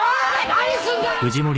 何すんだ！